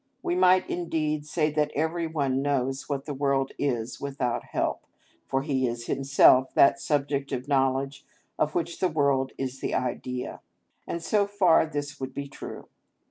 We might indeed say that every one knows what the world is without help, for he is himself that subject of knowledge of which the world is the idea; and so far this would be true.